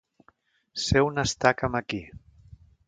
Ser un estaca'm aquí.